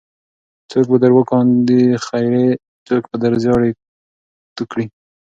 څوک به در وکاندې خیرې څوک بم در زیاړې توه کړي.